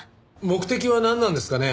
目的はなんなんですかね？